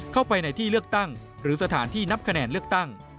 เข้าไปในที่เลือกตั้งหรือสถานที่นับคะแนนเลือกตั้ง